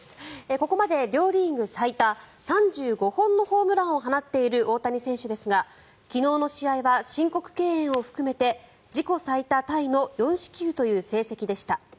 ここまで両リーグ最多３５本のホームランを放っている大谷選手ですが昨日の試合は申告敬遠を含めて自己最多タイの４四球という成績でした。